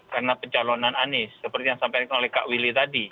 karena pencalonan anies seperti yang sampaikan oleh kak willy tadi